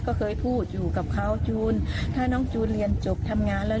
ก็เคยพูดอยู่กับเขาจูนถ้าน้องจูนเรียนจบทำงานแล้ว